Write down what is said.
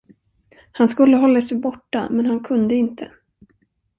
Han skulle hålla sig borta, men han kunde inte.